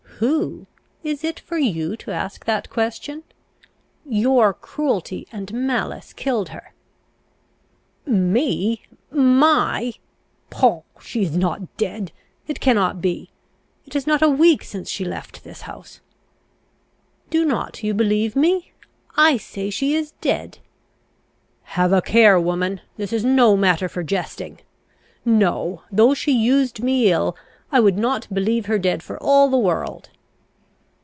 "Who? Is it for you to ask that question? Your cruelty and malice killed her!" "Me? my? Poh! she is not dead it cannot be it is not a week since she left this house." "Do not you believe me? I say she is dead!" "Have a care, woman! this is no matter for jesting. No: though she used me ill, I would not believe her dead for all the world!"